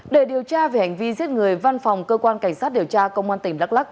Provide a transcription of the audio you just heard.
để điều tra về hành vi giết người văn phòng cơ quan cảnh sát điều tra công an tỉnh đắk lắc